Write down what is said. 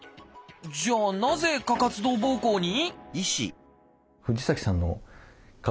じゃあなぜ過活動ぼうこうに？